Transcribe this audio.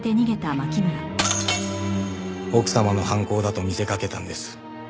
奥様の犯行だと見せかけたんです。